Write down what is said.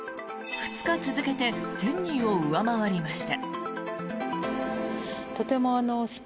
２日続けて１０００人を上回りました。